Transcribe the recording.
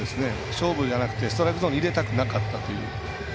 勝負じゃなくてストライクゾーンに入れたくなかったという。